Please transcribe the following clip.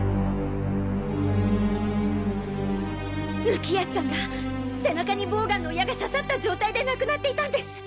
貫康さんが背中にボウガンの矢が刺さった状態で亡くなっていたんです！